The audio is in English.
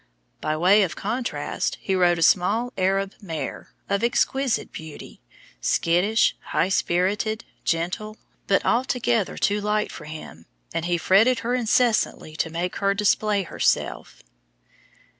By way of contrast he rode a small Arab mare, of exquisite beauty, skittish, high spirited, gentle, but altogether too light for him, and he fretted her incessantly to make her display herself.